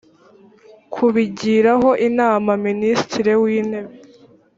kubigiraho inama minisitiri w intebe